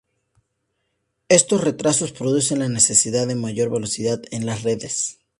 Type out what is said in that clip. Estos retrasos producen la necesidad de mayor velocidad en las redes.